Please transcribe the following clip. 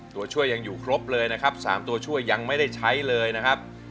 ตัวช่วยยังอยู่ครบเลยนะครับ๓ตัวช่วยยังไม่ได้ใช้เลยนะครับ